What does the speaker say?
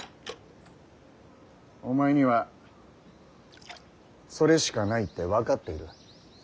お前にはそれしかないって分かっている。